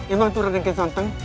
emang itu raden ke santan